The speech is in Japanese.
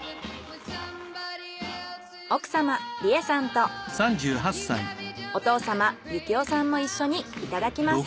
奥様理恵さんとお父様行男さんも一緒にいただきます。